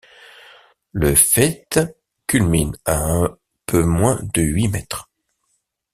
Le faîte culmine à un peu moins de huit mètres.